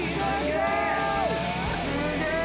すげえ！